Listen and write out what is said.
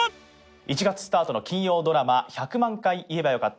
１月スタートの金曜ドラマ「１００万回言えばよかった」